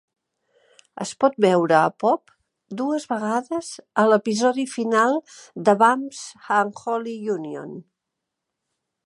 Es pot veure a Pop dues vegades a l'episodi final de "Bam's Unholy Union".